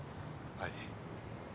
はい。